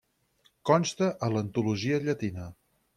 Consta a l'antologia llatina.